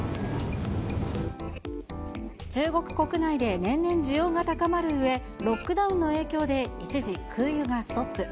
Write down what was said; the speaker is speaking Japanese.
中国国内で年々需要が高まるうえ、ロックダウンの影響で一時、空輸がストップ。